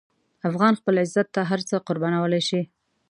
افغان خپل عزت ته هر څه قربانولی شي.